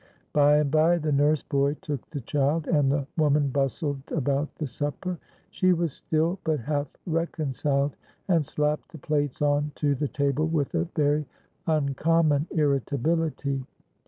By and by the nurse boy took the child, and the woman bustled about the supper. She was still but half reconciled, and slapped the plates on to the table with a very uncommon irritability.